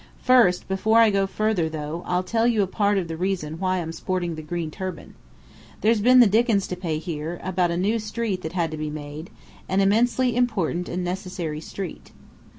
First, before I go further though, I'll tell you a part of the reason why I'm sporting the green turban. There's been the dickens to pay here, about a new street that had to be made; an immensely important and necessary street.